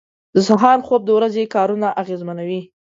• د سهار خوب د ورځې کارونه اغېزمنوي.